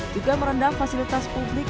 juga merendam fasilitas publik